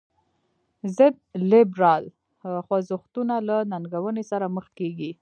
ضد لیبرال خوځښتونه له ننګونې سره مخ کیږي.